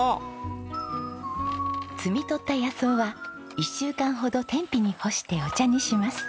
摘み取った野草は１週間ほど天日に干してお茶にします。